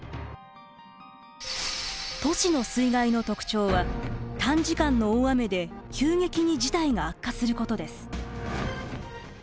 都市の水害の特徴は短時間の大雨で急激に事態が悪化することです。